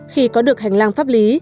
khi có được hành lang pháp lý